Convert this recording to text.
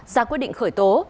ra quyết định khởi tố